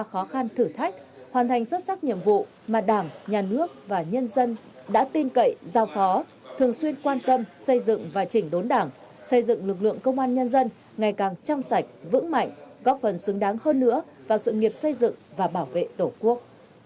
hoàn thành xuất sắc nhiệm vụ mà đảng nhà nước và nhân dân đã tin cậy giao phó thường xuyên quan tâm xây dựng và chỉnh đốn đảng xây dựng lực lượng công an nhân dân ngày càng chăm sạch vững mạnh góp phần xứng đáng hơn nữa vào sự nghiệp xây dựng và bảo vệ tổ quốc